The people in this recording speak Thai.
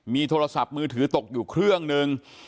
มีโทรศัพท์มือถือตกอยู่เครื่องนึง